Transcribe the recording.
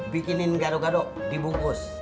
bikinin gado gado dibungkus